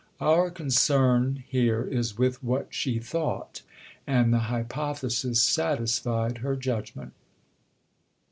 Our concern here is with what she thought, and the hypothesis satisfied her judgment.